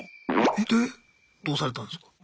でどうされたんすか？